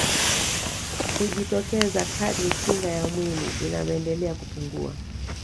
Hujitokeza kadri kinga ya mwili inavyoendelea kupungua